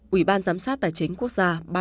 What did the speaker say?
ủy ban giám sát tài chính quốc gia